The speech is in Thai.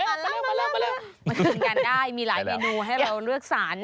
มากินกันได้มีหลายเมนูให้เราเลือกสาร